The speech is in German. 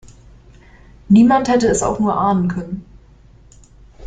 Niemand hätte es auch nur ahnen können.